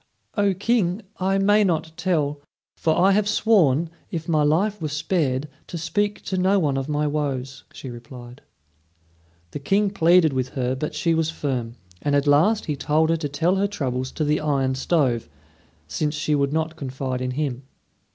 "O King! I may not tell; for I have sworn, if my life were spared, to speak to no one of my woes," she replied. The King pleaded with her, but she was firm; and at last he told her to tell her troubles to the iron stove, since she would not confide in him.